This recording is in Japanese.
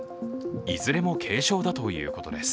いずれも軽傷だということです。